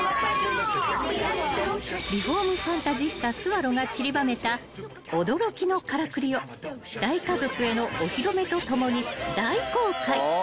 ［リフォームファンタジスタスワロがちりばめた驚きのからくりを大家族へのお披露目とともに大公開］